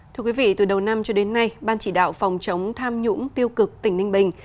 thưa quý vị từ đầu năm cho đến nay ban chỉ đạo phòng chống tham nhũng tiêu cực tỉnh ninh bình